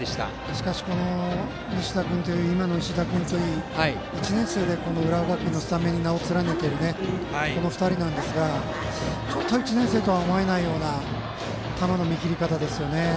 しかし、西田君といい石田君といい１年生で浦和学院のスタメンに名を連ねているこの２人なんですがちょっと１年生とは思えない球の見切り方ですね。